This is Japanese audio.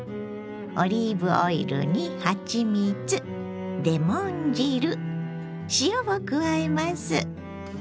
オリーブオイルにはちみつレモン汁塩を加えます。